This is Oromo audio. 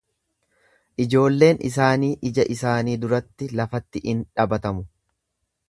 Ijoolleen isaanii ija isaanii duratti lafatti in dhabatamu.